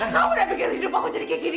kamu udah bikin hidup aku jadi kayak gini